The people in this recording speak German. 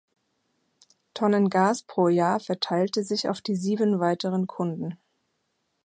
Tonnen Gas pro Jahr verteilte sich auf die sieben weiteren Kunden.